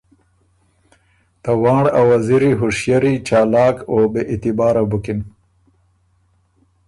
ته وانړ ا وزیری هوشئری، چالاک او بې اعتباره بُکِن